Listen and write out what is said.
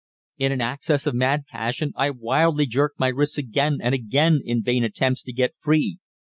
In an access of mad passion I wildly jerked my wrists again and again in vain attempts to get free.